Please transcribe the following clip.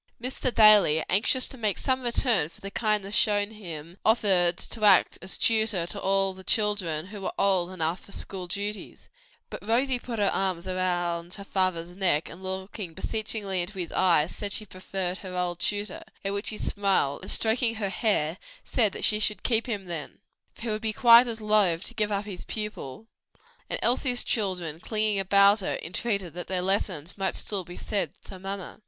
Mr. Daly, anxious to make some return for the kindness shown him, offered to act as tutor to all the children who were old enough for school duties; but Rosie put her arms about her father's neck and looking beseechingly into his eyes, said she preferred her old tutor; at which he smiled, and stroking her hair, said she should keep him then, for he would be quite as loth to give up his pupil, and Elsie's children, clinging about her, entreated that their lessons might still be said to mamma.